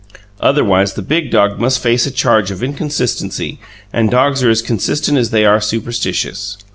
Otherwise, the big dog must face a charge of inconsistency, and dogs are as consistent as they are superstitious.